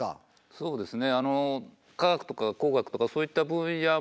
そうですね。